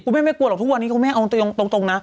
แม่ไม่กลัวหรอกทุกวันนี้คุณแม่เอาตรงนะ